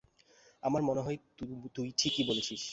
আমার মনে হয় তুই ঠিকই বলছিস।